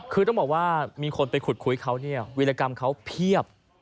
คือต้องบอกว่ามีคนไปขุดคุยเขาเนี่ยวิรกรรมเขาเพียบ